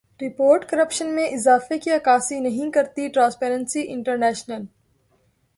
report corruption میں اضافے کی عکاسی نہیں کرتی ٹرانسپیرنسی انٹرنیشنل